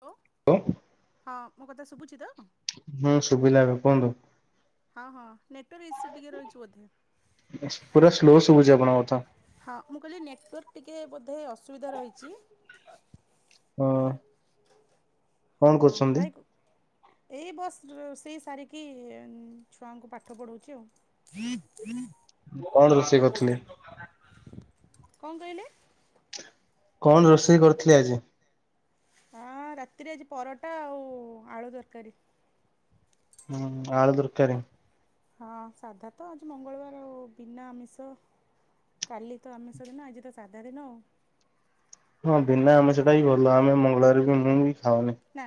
Hello [unintelligible] ହଁ ମୋ କଥା ଶୁଭୁଛି ତ? ହୁଁ ଶୁଭିଲା ଏବେ କୁହନ୍ତୁ। ହଁ ହଁ ନେଟୱାର୍କ ଇସ୍ୟୁ ଟିକେ ରହୁଛି ବୋଧେ। ପୁରା ସ୍ଲୋ ଶୁଭୁଛି ଆପଣଙ୍କ କଥା। ହଁ ମୁଁ କହିଲି ନେଟୱାର୍କ ଟିକେ ବୋଧେ ଅସୁବିଧା ରହିଛି? ହଁ। ହଁ କଣ ହଁ କରୁଛନ୍ତି? ଭାଇକୁ ଏଇ ବସ୍ ରୋଷେଇ ସାରିକି ଛୁଆଙ୍କୁ ପାଠ ପଢ଼ଉଛି ଆଉ। [inaudible] କଣ ରୋଷେଇ କରିଥିଲେ? କଣ କହିଲେ? କଣ ରୋଷେଇ କରିଥିଲେ ଆଜି? ହଁ ରାତିରେ ଆଜି ପରଟା ଆଉ ଆଳୁ ତରକାରୀ। ହୁଁ ଆଳୁ ତରକାରୀ। ହଁ ସାଧା ତ ଆଜି ମଙ୍ଗଳବାର ଆଉ ବିନା ଆମିଷ କାଲି ତ ଆମିଷ ଦିନ ଆଜି ତ ସାଧା ଦିନ ଆଉ। ହଁ ବିନା ଆମିଷ ଟା ହିଁ ଭଲ। ଆମେ ମଙ୍ଗଳବାର ବି ମୁଁ ବି ଖାଉନି। ନା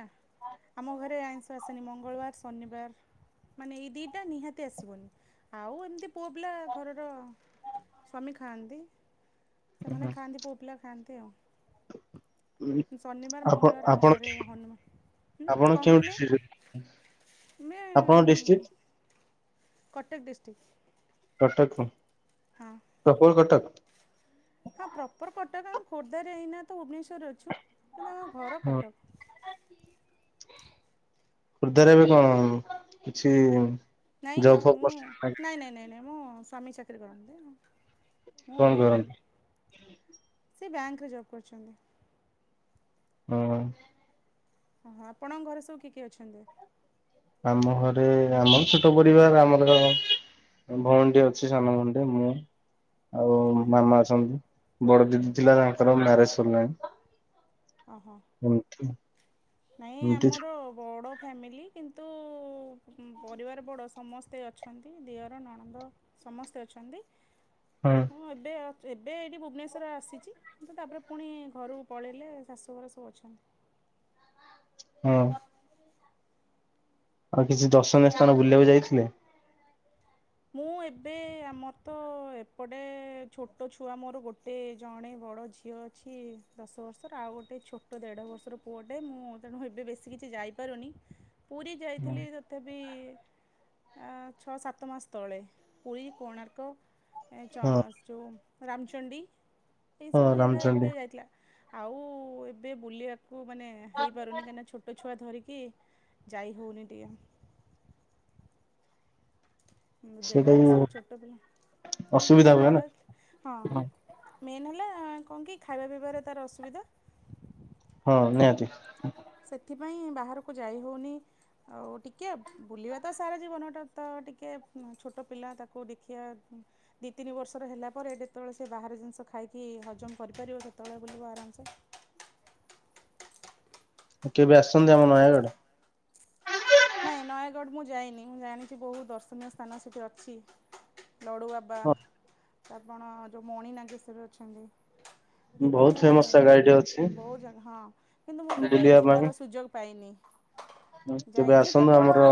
ଆମ ଘରେ ଆଇଁଷ ଆସେନି ମଙ୍ଗଳବାର, ଶନିବାର ମାନେ ଏଇ ଦିଇଟା ନିହାତି ଆସିବନି। ଆଉ ଏମିତି ପୁଅ ପିଲା ଘରର ସ୍ୱାମୀ ଖାଆନ୍ତି। ସେମାନେ ଖାଆନ୍ତି ପୁଅ ପିଲା ଖାଆନ୍ତି ଆଉ। ଶନିବାର ଆପଣ ମଙ୍ଗଳବାର ଆମ ଆପଣ ଘରେ ହନୁମାନ। ଆପଣ ହୁଁ କଣ କେଉଁ କହିଲେ? ଡିଷ୍ଟ୍ରିକ୍ଟରେ? ମେ ଆପଣଙ୍କ ଡିଷ୍ଟ୍ରିକ୍ଟ? କଟକ ଡିଷ୍ଟିକ। କଟକ। ହଁ। ପ୍ରପର୍ କଟକ। ହଁ ପ୍ରପର୍ କଟକ ଆଉ ଖୋର୍ଦ୍ଧାରେ ଏଇନା ତ ଭୁବନେଶ୍ୱରରେ ଅଛୁ କିନ୍ତୁ ଆମ ଘର ହଁ। କଟକ। ଖୋର୍ଦ୍ଧାରେ ଏବେ କଣ କିଛି ନାଇଁ ଜବ୍ ଫବ୍ ମୁଁ କରିଛନ୍ତି ନା ନାଇଁ ନାଇଁ ନାଇଁ ନାଇଁ ମୋ ସ୍ୱାମୀ ଚାକିରି କରନ୍ତି। ମୁଁ କଣ ଗୃହିଣୀ। କରନ୍ତି? ସେ ବ୍ୟାଙ୍କରେ ଜବ୍ କରିଛନ୍ତି। ଓ। ହଁ ଆପଣଙ୍କ ଘରେ ସବୁ କିଏ କିଏ ଅଛନ୍ତି? ଆମ ଘରେ ଆମର ଛୋଟ ପରିବାର। ଆମର ଭଉଣୀଟି ଅଛି ସାନ ଭଉଣୀ ଟେ ମୁଁ ଆଉ ହଁ ହଁ ମାମା ଅଛନ୍ତି ବଡ ଦିଦି ଥିଲା ତାଙ୍କର ମ୍ୟାରେଜ ସରିଲାଣି ଓହୋ ଏମତି ନାଇଁ ଏମତି ଆମର ବଡ ଫ୍ୟାମିଲି କିନ୍ତୁ ପରିବାର ବଡ଼ ସମସ୍ତେ ଅଛନ୍ତି ଦିଅର ନଣନ୍ଦ ସମସ୍ତେ ଅଛନ୍ତି ହଁ ମୁଁ ଏବେ ଏବେ ଏଇଠି ଭୁବନେଶ୍ୱର ଆସିଛି କିନ୍ତୁ ତାପରେ ପୁଣି ଘରୁକୁ ପଳେଇଲେ ଶାଶୁଘର ସବୁ ଅଛନ୍ତି ହଁ ଆଉ କିଛି ଦର୍ଶନୀୟ ସ୍ଥାନ ବୁଲିବାକୁ ଯାଇଥିଲେ ମୁଁ ଏବେ ଆମର ତ ଏପଟେ ଛୋଟ ଛୁଆ ମୋର ଗୋଟେ ଜଣେ ବଡ଼ ଝିଅ ଅ ଛି ଦଶ ବର୍ଷର ଆଉ ଗୋଟେ ଛୋଟ ଦେଢ଼ ବର୍ଷର ପୁଅଟେ ମୁଁ ତେଣୁ ଏବେ ବେଶୀ କିଛି ଯାଇପାରୁନି ପୁରୀ ଯାଇଥିଲି ତଥାପି ଆ ଛଅ ସାତ ମାସ ତଳେ ପୁରୀ କୋଣାର୍କ ଏ ହଁ ଚସ୍ ଯେଉଁ ରାମଚଣ୍ଡୀ ହଁ ଏଇସବୁ ଜାଗା ରାମଚଣ୍ଡୀ ଏବେ ଯାଇଥିଲା ଆଉ ଏବେ ବୁଲିବାକୁ ମାନେ ହେଇପାରୁନି କାହିଁକିନା ଛୋଟ ଟ ଛୁଆ ଧରିକି ଯାଇ ହେଉନି ଟିକେ ମୁ ଦେଢ଼ ସେଇଟା ବି ବର୍ଷର ଛୋଟ ପିଲା ତେଣୁ ଅସୁବିଧା ଟିକେ ହୁଏ ନା ବଡ଼ ହଁ ମେନ୍ ହେଲା କଣ କି ଖାଇବା ପିଇବାରେ ତାର ଅସୁବିଧା ହଁ ନିହାତି ସେଥିପାଇଁ ବାହାରକୁ ଯାଇ ହେଉନି ଆଉ ଟିକଏ ବୁଲିବା ତ ସାରା ଜୀବନଟା ତ ଟିକେ ଛୋଟ ପିଲା ତାକୁ ଦେଖିବା ଦୁଇ ତିନି ବର୍ଷର ହେଲା ପରେ ଯେତେବେଳେ ସେ ବାହାରାରେ ଜିନିଷ ଖାଇକି ହଜମ କରିପାରିବ ସେତେବେଳେ ବୁଲିବ ଆରାମସେ କେବେ ଆସିଛନ୍ତି ଆମ ନୟାଗଡ଼ ନାଇଁ ନୟାଗଡ଼ ମୁଁ ଯାଇନି ମୁଁ ଜାଣିଛି ବହୁତ ଦର୍ଶନୀୟ ସ୍ଥାନ ସେଠି ଅଛି ଲଡ଼ୁବାବା ହଁ ତାପରେ କଣ ମଣି ନାଗେଶୋରୀ ଅଛନ୍ତି କିନ୍ତୁ ବହୁତ ମୁଁ ଫେମସ ଜାଗା ଏଇଠି ଅଛି ବହୁତ ଜାଗା ହଁ କିନ୍ତୁ ମୁଁ କେବେ ବୁଲିବା ପାଇଁ ଯିବାର ସୁଯୋଗ ପାଇନି କେବେ ଯାଇନି ଆସନ୍ତୁ କେବଳ ଆମର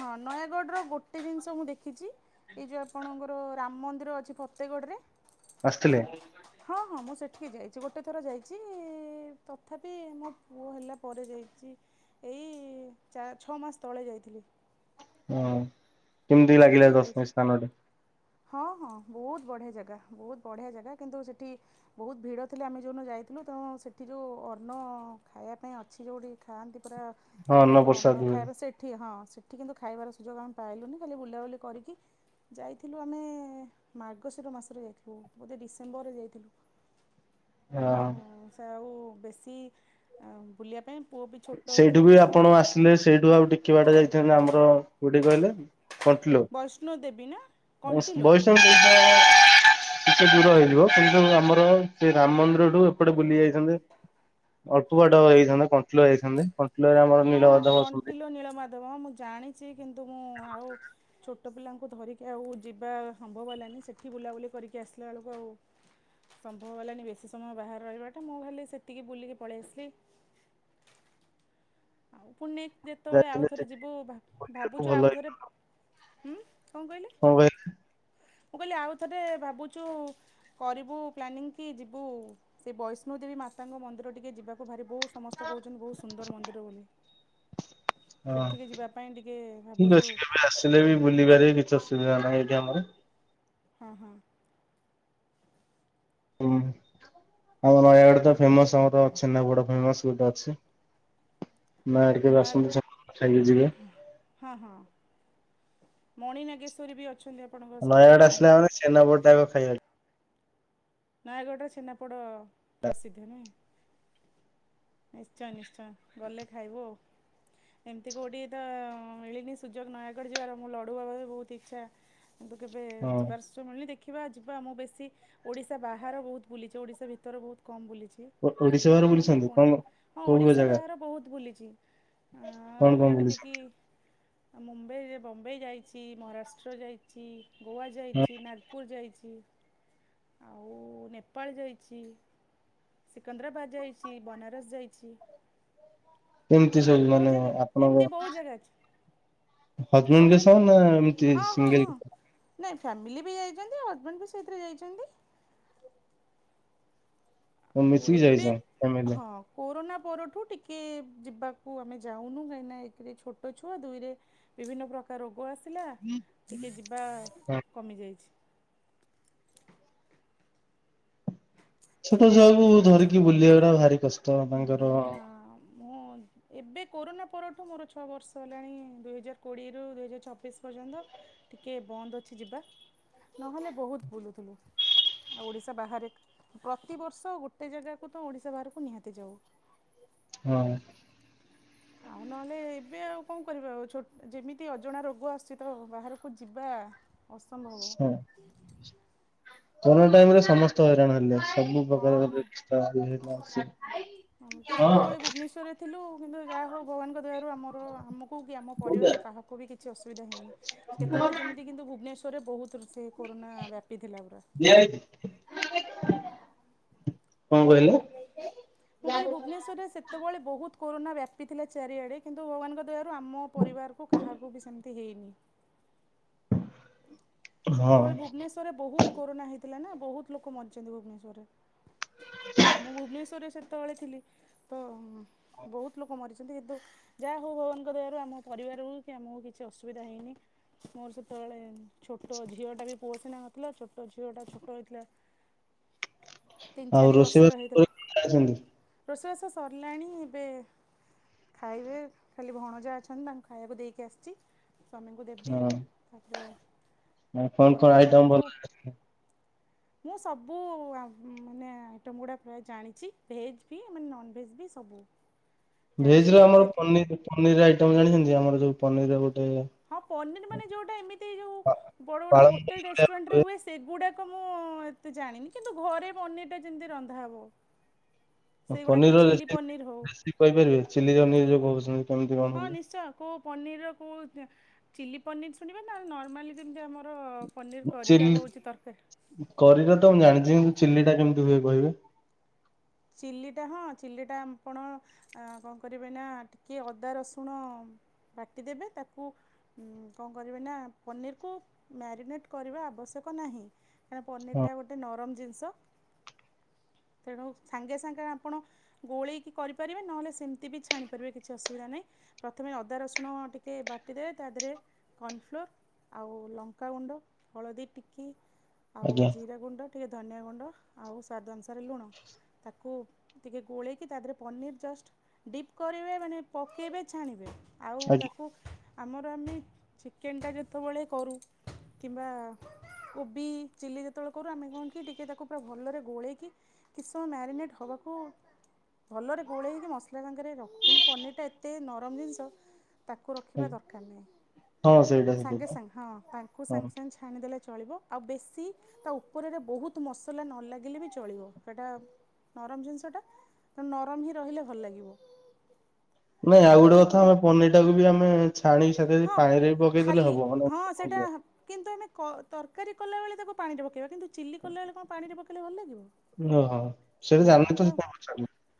ହଁ ନୟାଗଡ଼ର ଗୋଟେ ଜିନିଷ ମୁଁ ଦେଖିଛି ଏଇ ଯେଉଁ ଆପଣଙ୍କର ରାମ ମନ୍ଦିର ଅଛି ଫତେଗଡ଼ରେ ଆସିଥିଲେ ହଁ ହଁ ମୁଁ ସେଠିକି ଯାଇଛି ଗୋଟେ ଥର ଯାଇଛି ତଥାପି ମୋ ପୁଅ ହେଲା ପରେ ଯାଇଛି ଏଇ ଚାର ଛଅ ମାସ ତଳେ ଯାଇଥିଲି ହଁ କେମିତି ଲାଗିଲା ସେଠିକି ଯାଇଛି। ଦର୍ଶନୀୟ ସ୍ଥାନରେ ହଁ ହଁ ବହୁତ ବଢ଼ିଆ ଜାଗା ବହୁତ ବଢ଼ିଆ ଜାଗା କିନ୍ତୁ ସେଠି ବହୁତ ଭିଡ଼ ଥିଲେ ଆମେ ଯୋଉଦିନ ଯାଇଥିଲୁ ତେ ସେଇଠି ଯେଉଁ ଅନ୍ନ ଖାଇବା ପାଇଁ ଅଛି ଯଉଠି ଖାଆନ୍ତି ପରା ହଁ ଆପଣଙ୍କର ପ୍ରସାଦ ଅନ୍ନ ହୁଏ ଖାଇବ ସେଠି ହଁ ସେଇଠି କିନ୍ତୁ ଖାଇବାର ସୁଯୋଗ ଆମେ ପାଇଲୁନି ଖାଲି ବୁଲାବୁଲି କରିକି ଯାଇଥିଲୁ ଆମେ ମାର୍ଗଶିର ମାସରେ ଯାଇଥିଲୁ ବୋଧେ ଡିସେମ୍ବରରେ ଯାଇଥିଲୁ। ହଁ। ଆଉ ବେଶୀ ଆଁ ବୁଲିଆ ପାଇଁ ପୁଅ ବି ଛୋଟ ସେଇଠୁ ହେଇଥିଲା ବି ସେତେବେଳେ ଆପଣ ଆସିଲେ ସେଇଠୁ ଆଉ ଟିକେ ବାଟ ଯାଇଥାନ୍ତେ ଆମର କୋଉଠି କହିଲେ କଣ୍ଟିଲୋ ବୈଷ୍ଣୋ ଦେବୀ ନା ଅଁସ୍ କଣ୍ଟିଲୋ ବୟଷ [inaudible] ଟିକେ ଦୂର ହେଇଯିବ କିନ୍ତୁ ଆମର ସେ ରାମ୍ ମନ୍ଦିରଠୁ ଏପଟେ ବୁଲି ଯାଇଥାନ୍ତେ। ଅଳ୍ପ ବାଟ ହେଇଥାନ୍ତା କଣ୍ଟିଲୋ ଯାଇଥାନ୍ତେ। କଣ୍ଟିଲୋରେ ଆମର ନୀଳମାଧବ ଅଛନ୍ତି। ଦେବା ମୁଁ ଜାଣିଚି କିନ୍ତୁ ମୁଁ ଆଉ ଛୋଟ ପିଲାଙ୍କୁ ଧରିକି ଆଉ ଯିବା ସମ୍ଭବ ହେଲାନି ସେଠି ବୁଲାବୁଲି କରିକି ଆସିଲା ବେଳକୁ ଆଉ ସମ୍ଭବ ହେଲାନି ବେଶୀ ସମୟ ବାହାରେ ରହିବାଟା ମୁଁ ଖାଲି ସେତିକି ବୁଲିକି ପଳେଇ ଆସିଲି। ଆଉ ପୁନେ ଯେତବେଳେ ଯାଇଥିଲେ ଆଉଥରେ ଯିବୁ ସେଠି ଭାବୁଛୁ ଭଲ ଆଉଥରେ ଉଁ କଁ କହିଲେ? ହଁ ଭାଇ। ମୁଁ କହିଲି ଆଉ ଥରେ ଭାବୁଚୁ କରିବୁ ପ୍ଲାନିଂ କି ଯିବୁ ସେ ବୈଷ୍ଣୋଦେବୀ ମାତାଙ୍କ ମନ୍ଦିର ଟିକେ ଯିବା ମୋ ଭାରି ବୋଉ ସମସ୍ତେ କହୁଛନ୍ତି ବହୁତ୍ ସୁନ୍ଦର ମନ୍ଦିର ବୋଲି। ହଁ ସେଠିକି ଯିବା ପାଇଁ ଟିକେ ଭାବୁଚୁ। ହେଲେ ବି ବୁଲିବାରେ କିଛି ଅସୁବିଧା ନାହିଁ ଏଠି ଆମର। ହଁ ହଁ। ହୁଁ ଆମ ନୟାଗଡ ତ ପୁରା ଫେମସ୍ ଆମର ଛେନାପୋଡ଼ ଫେମସ୍ ଗୋଟେ ଅଛି। ନୟାଗଡ଼ କେବେ ନୟା ଆସନ୍ତୁ ଛେନାପୋଡ ଖାଇକି ଯିବେ ହଁ ହଁ ମଣି ନାଗେଶ୍ୱରୀ ବି ଅଛନ୍ତି ଆପ୍ ନୟାଗଡ ଆସିଲା ମାନେ ଛେନାପୋଡ଼ ଟା ଆଗ ଖାଇବାଇ ନୟାଗଡ଼ର ଛେନାପୋଡ଼ ପ୍ରସିଦ୍ଧ ନୁହେଁ। ନିଶ୍ଚୟ ନିଶ୍ଚୟ। ଗଲେ ଖାଇବୁ ଆଉ। ଏମିତି କୋଉଠି ତ ମିଳିନି ସୁଯୋଗ ନୟାଗଡ ଯିବାର ମୁଁ ଲଡ଼ୁ ବାବାରେ ବହୁତ୍ ଇଚ୍ଛା। କିନ୍ତୁ କେବେ ହଁ ଯିବାର ସୁ ମିଳୁନି ଦେଖିବା ଯିବା ମୁଁ ବେଶୀ ଓଡ଼ିଶ୍ ଶା ବାହାର ବହୁତ୍ ବୁଲିଚି। ଓଡ଼ିଶା ଭିତରେ ବହୁତ୍ କମ୍ ବୁଲିଛି। ଓ- ଓଡିଶା ଭି ବାହାରେ ପୁରୀ ବୁଲିଛନ୍ତି କଣ ହଁ କୋଉ କୋଉ ଓଡ଼ିଶା ଜାଗା ବାହାର ବହୁତ୍ ବୁଲିଚି। କଣ ଆଁ କଣ ଯେମିତିକି ବୁଲିଛନ୍ତି? ଆ ମୁମ୍ବାଇରେ ବମ୍ବେଇ ଯାଇଛି। ମହାରାଷ୍ଟ୍ର ଯାଇଛି। ଗୋଆ ଯାଇଚି। ନାଗପୁର ଯାଇଚି। ଆଉ ନେପାଳ ଯାଇଚି। ସିକନ୍ଦରାବାଦ ଯାଇଚି। ବନାରସ ଯାଇଚି। କେମିତି ସବୁ ମାନେ ଜାଗା ଏମିତି ଆପଣଙ୍କ? ବହୁତ ଜାଗା ଅଛି କଣ ହଜବେଣ୍ଡଙ୍କ କହିଲେ? ସହ ନା ଏମିତି ହଁ ହଁ ହଁ ସିଙ୍ଗିଲ ନାଇଁ ଫ୍ୟାମିଲି ବି ଯାଇଚନ୍ତି ଆଉ ହଜବେଣ୍ଡ ବି ସେଇଥିରେ ଯାଇଚନ୍ତି। ଆଉ ମିଶିକି ଏବେ ଯାଇଛ ଫ୍ୟାମିଲି? ହଁ। କୋରୋନା ପରଠୁ ଟିକେ ଯିବାକୁ ଆମେ ଯାଉନୁ କାହିଁକିନା ଏକେରେ ଛୋଟ ଛୁଆ ଦୁଇରେ ବିଭିନ୍ନ ପ୍ରକାର ରୋଗ ଆସିଲା ଟିକେ ଯିବା ହଁ କମିଯାଇଛି। ଛୋଟ ଛୁଆକୁ ଧରିକି ବୁଲିବାଟା ଭାରି କଷ୍ଟ ଆପଣଙ୍କର ଆ ନା ମୁଁ ଏବେ କୋରୋନା ପରଠୁ ମୋର ଛଅ ବର୍ଷ ହେଲାଣି ଦୁଇ ହଜାର କୋଡିଏରୁ ଦୁଇ ହଜାର ଛବିଶ୍ ପର୍ଯ୍ୟନ୍ତ ଟିକେ ବନ୍ଦ ଅଛି ଯିବା ନହେଲେ ବହୁତ୍ ବୁଲୁଥୁଲୁ। ଆଉ ଓଡିଶା ବାହାରେ ପ୍ରତିିବର୍ଷ ଗୋଟେ ଜାଗାକୁ ତ ଓଡିଶା ବାହାରୁକୁ ନିହାତି ଯାଉ। ହଁ ଆଉ ନହେଲେ ଏବେ ଆଉ କଣ କରିବା ଆଉ ଯେମିତି ଅଜଣା ରୋଗ ଆସୁଛି ତ ବାହାରକୁ ଯିବା ଅସମ୍ଭବ ହଁ କରୋନା ଟାଇମରେ ସମସ୍ତ ହଇରାଣ ହେଲେ ସବୁ ହଁ ହଁ। ପ୍ରକାର [unintelligible] ଆମେ ତ ହଁ ସେତେବେଳେ ଭୁବନେଶ୍ୱରରେ ଥିଲୁ କିନ୍ତୁ ଯାହା ହଉ ଭଗବାନଙ୍କ ଦୟାରୁ ଆମର ଆମକୁ କି ଆମ କୋଉଟା ପରିବାର କାହାକୁ ବି କିଛି ଅସୁବିଧା ହେଇନି କେତେବେଳେ ଯେମିତି କିନ୍ତୁ ଭୁବନେଶ୍ୱରରେ ବହୁତ ସେ କରୋନା ବ୍ୟାପି ଥିଲା ପୁରା କଣ କହିଲେ ମୁଁ କହିଲି ଭୁବନେଶ୍ୱରରେ ସେତେବେଳେ ବହୁତ କରୋନ ବ୍ୟାପିଥିଲା ଚାରିଆଡେ କିନ୍ତୁ ଭଗବାନଙ୍କ ଦୟାରୁ ଆମ ପରିବାରକୁ କାହାକୁ ବି ସେମିତି ହେଇନି ହଁ ସେତେବେଳେ ଭୁବନେଶ୍ୱରରେ ବହୁତ କରୋନା ହେଇଥିଲା ନା ବହୁତ ଲୋକ ମରିଛନ୍ତି ଭୁବନେଶ୍ୱରରେ ଆମ ଭୁବନେଶ୍ଵରରେ ସେତେବେଳେ ଥିଲି ତ ବହୁତ ଲୋକ ମରିଛନ୍ତି ଏବେ ଯାହା ହଉ ଭଗବାନଙ୍କ ଦୟାରୁ ଆମ ପରିବାରକୁ କି ଆମକୁ କିଛି ଅସୁବିଧା ହେଇନି ମୋର ସେତବେଳେ ଛୋଟ ଛୋଟ ଝିଅଟା ବି ପୁଅ ସିନା ନ ଥିଲା ଛୋଟ ଝିଅଟା ଛୋଟ ହୋଇଥିଲା ତିନି ଆଉ ଚାରି ରୋଷେଇବାସ ବର୍ଷର ହେଇଥିଲା ଉପରେ କଣ ଜାଣିଛନ୍ତି? ରୋଷେଇବାସ ସରିଲାଣି ଏବେ ଖାଇବେ ଖାଲି ଭଣଜା ଅଛନ୍ତି ତାଙ୍କୁ ଖାଇବାକୁ ଦେଇକି ଆସିଛି ସ୍ୱାମୀଙ୍କୁ ଦେବି ହଁ ତାପରେ ଆଉ ପୁଅ କଣ କଣ ତ ଆଇଟମ ଏପର୍ଯ୍ୟନ୍ତ ଭଲ ମୁଁ ସବୁ ମାନେ ଆଇଟମ୍ ଗୁଡ଼ା ପ୍ରାୟ ଜାଣିଛି ଭେଜ୍ ବି ମାନେ ନନଭେଜ୍ ବି ସବୁ ଜାଣିଛି ଭେଜ ର ଏତେ ଆମର ପନିର ପନିର୍ ଆଇଟମ ଜାଣିଛନ୍ତି ଆମର ଯୋଉ ପନିର ର ଗୋଟେ ହଁ ପନିର ମାନେ ଯୋଉଟା ଏମିତି ଯୋଉ ପା- ବଡ ବଡ ପାଳଙ୍ଗ ହୋଟେଲ ପନିର ଭଳିଆ ରେଷ୍ଟୁରାଣ୍ଟ ହୁଏ ସେଗୁଡାକ ମୁଁ ଏତେ ଜାଣିନି କିନ୍ତୁ ଘରେ ବନେଇତେ ଯେମିତି ରନ୍ଧା ହବ [unintelligible] [unintelligible] ହଁ ହୁଏ? ନିଶ୍ଚୟ କେଉଁ ପନିର କେଉଁ ଚିଲି ପନିର୍ ଶୁଣିବେ ନା ଲ ନର୍ମାଲି ଯେମିତି ଆମର ପନିର୍ କରି ଟା ହେଉଛି ତରକାରେ କରି ର ତ ମୁଁ ଜାଣିଛି କିନ୍ତୁ ଚିଲି ଟା କେମିତି ହୁଏ କହିବେ ଚିଲ୍ଲିଟା ହଁ ଚିଲ୍ଲିଟା ଆପଣ ଆ କଣ କରିବେ ନା ଟିକେ ଅଦା, ରସୁଣ ବାଟିଦେବେ ତାକୁ କଣ କରିବେ ନା ପନିରକୁ ମ୍ୟାରିନେଟ୍ କରିବା ଆବଶ୍ୟକ ନାହିଁ। କାହିଁକିନା ହଁ ପନିରଟା ଗୋଟେ ନରମ ଜିନିଷ ତେଣୁ ସାଙ୍ଗେ ସାଙ୍ଗେ ଆପଣ ଗୋଳେଇକି କରିପାରିବେ ନହେଲେ ସେମିତି ବି ଛାଣି ପାରିବେ କିଛି ଅସୁବିଧା ନାହିଁ ପ୍ରଥମେ ଅଦା ରସୁଣ ଟିକେ ବାଟିଦେବେ ତା ଦେହରେ କର୍ଣ୍ଣଫ୍ଲୋର ଆଉ ଲଙ୍କାଗୁଣ୍ଡ ହଳଦୀ ଟିକି ଆଉ ଆଜ୍ଞା ଜିରା ଗୁଣ୍ଡ ଟିକେ ଧନିଆ ଗୁଣ୍ଡ ଆଉ ସ୍ୱାଦ ଅନୁସାରେ ଲୁଣ ତାକୁ ଟିକେ ଗୋଳେଇକି ତା ଦେହରେ ପନିର୍ ଜଷ୍ଟ୍ ଡିପ୍ କରିବେ ମାନେ ପକେଇବେ ଛାଣିବେ ଆଉ ଆଜ୍ଞା ତାକୁ ଆମର ଆମେ ଚିକେନଟା ଯେତେବେଳେ କରୁ କିମ୍ବା କୋବି ଚିଲି ଯେତେବେଳେ କରୁ ଆମେ କଣ କି ଟିକେ ତାକୁ ପୁରା ଭଲରେ ଗୋଳେଇକି କିଛି ସମୟ ମ୍ୟାରିନେଟ୍ ହବାକୁ ଭଲରେ ଗୋଳେଇ ହୋଇକି ମସଲା ସାଙ୍ଗରେ ରଖ କିନ୍ତୁ ପନିରଟା ଏତେ ନରମ ଜିନିଷ ତାକୁ ରଖିବା ଆଜ୍ଞା ଦରକାର ନାହିଁ ହଁ ସେଇଟା ସାଙ୍ଗେ ସେଇଟା ସାଙ୍ଗେ ହଁ ତାଙ୍କୁ ହଁ ସାଙ୍ଗେ ସାଙ୍ଗେ ଛାଣିଦେଲେ ଚଳିବ ଆଉ ବେଶୀ ତା ଉପରରେ ବହୁତ ମସଲା ନ ଲାଗିଲେ ବି ଚଳିବ ସେଟା ନରମ ଜିନିଷଟା ନରମ ହିଁ ରହିଲେ ଭଲ ଲାଗିବ। ନାଇଁ ଆଉ ତାପରେ ଗୋଟେ ତାକୁ କଥା ଆମେ ଟିକେ ପନିର ଟାକୁ ବି ଆମେ ଛାଣି ହଁ ପାଣିରେ ବି ପକେଇଦେଲେ ଖାଲି ହବ ମାନେ ହଁ ସେଇଟା କିନ୍ତୁ ଆମେ କ ତରକାରୀ କଲାବେଳେ ତାକୁ ପାଣିରେ ପକାଇବା କିନ୍ତୁ ଚିଲି କଲାବେଳେ କଣ ପାଣିରେ ପକାଇଲେ ଭଲ ଲାଗିବ। ଓଁ ହୋ। ନା ତ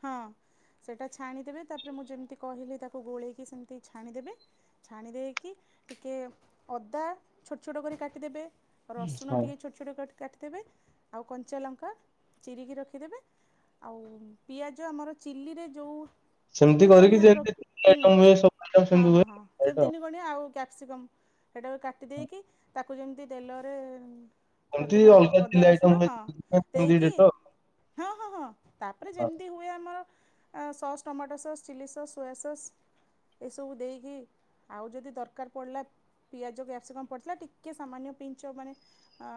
ହଁ ସେଟା ଛାଣିଦେବେ ତାପରେ ମୁଁ ଯେମିତି କହିଲି ତାକୁ ଗୋଳେଇକି ସେମିତି ଛାଣିଦେବେ ଛାଣି ଦେଇକି ଟିକେ ଅଦା ଛୋଟ ଛୋଟ କରି କାଟିଦେବେ ରସୁଣ ହଁ ଟିକେ ଛୋଟ ଛୋଟ କାଟିଦେବେ ଆଉ କଞ୍ଚା ଲଙ୍କା ଚିରିକି ରଖିଦେବେ ଆଉ ପିଆଜ ଆମର ଚିଲିରେ ଯେଉଁ ସେମିତି ତିନି କରିକି କଣିଆ ଯେମିତି ହଁ ଆଇଟମ ହୁଏ ସବୁ ଆଇଟମ ହଁ ସେମିତି ହଁ ହଁ ହୁଏ। ସେମିତିନି କ୍ୟାପସିକମ୍ କାଟି ଦେଇ କୀ ତେଲ ରେ ଏମିତି ପ୍ରଥମେ ଅଲଗା ଚିଲି ଅଦା ଆଇଟମ୍ ରସୁଣ ହୁଏ ହଁ ସେମିତି ଦେଇକି ଡେଟ ହଁ ହଁ ହଁ ତାପରେ ହଁ ଯେମିତି ହୁଏ ଆମର tomato sauce chilli sauce soya sauce ଏସବୁ ଦେଇକି ଆଉ ଯଦି ଦରକାର ପଡ଼ିଲା ପିଆଜ କ୍ୟାପ୍ସିକମ୍ ପଡ଼ିଥିଲା ଟିକେ ସାମାନ୍ୟ ପିଞ୍ଚ ମାନେ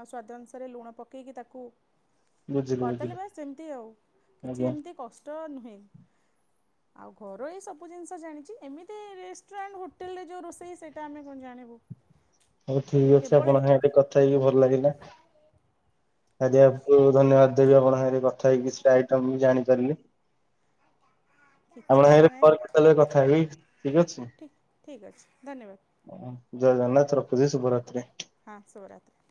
ସ୍ଵାଦ ଅନୁସାରେ ଲୁଣ ପକେଇକି ତାକୁ ବୁଝିଲି ବୁଝିଲି। ସେମତି ଆଉ କିଛି ଆଜ୍ଞା। ଏମିତି କଷ୍ଟ ନୁହେଁ। ଆଉ ଘରୋଇ ସବୁ ଜିନିଷ ଜାଣିଛି। ଏମିତି ରେଷ୍ଟୁରାଣ୍ଟ, ହୋଟେଲରେ ଯୋଉ ରୋଷେଇ ସେଇଟା ଆମେ କଣ ଜାଣିବୁ। [unintelligible] ହଉ ଠିକ ଅଛି କେବଳ ଆପଣଙ୍କ ସାଙ୍ଗେ ଟିକେ କଥା ହେଇକି ଭଲ ଲାଗିଲା ଆଜି ଆ ଆଚ୍ଛା ଧନ୍ୟବାଦ ଦେବି ଆପଣ ସାଙ୍ଗରେ କଥା ହେଇକି ସେ ଆଇଟମ୍ ବି ଜାଣିପାରିଲି। କିଛି ଆପଣଙ୍କ କଥା ସାଙ୍ଗେ ନାହିଁ ପରେ କେତେବେଳେ କଥା ହେବି ଠିକ ଅଛି। ଠିକ୍ ଠିକ୍ ଅଛି ଧନ୍ୟବାଦ। ହଁ ଜୟ ଜଗନ୍ନାଥ ରଖୁଛି ଶୁଭରାତ୍ରି। ହଁ ଶୁଭ ରାତ୍ରି।